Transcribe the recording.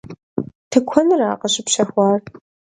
Тыкуэныра къыщыпщэхуар?